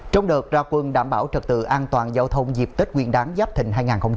trong đợt ra quân đảm bảo trật tự an toàn giao thông dịp tết nguyên đáng giáp thình hai nghìn hai mươi bốn